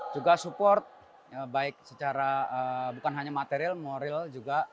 juga support baik secara bukan hanya material moral juga